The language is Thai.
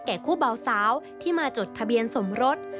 คู่เบาสาวที่มาจดทะเบียนสมรส